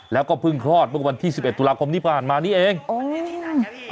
แล้วก็พึ่งคลอดเมื่อวันที่๑๑ตุลาคมนี้ประหารมานี้เองโอ้ย